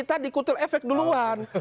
tadi kutul efek duluan